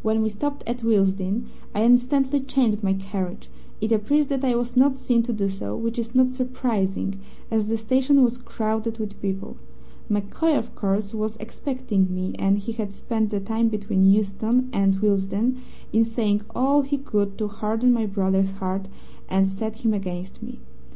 "When we stopped at Willesden, I instantly changed my carriage. It appears that I was not seen to do so, which is not surprising, as the station was crowded with people. MacCoy, of course, was expecting me, and he had spent the time between Euston and Willesden in saying all he could to harden my brother's heart and set him against me.